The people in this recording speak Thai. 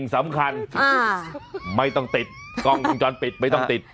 สำคัญไม่ต้องติดกล้องวงจรปิดไม่ต้องติด